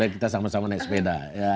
kita sama sama naik sepeda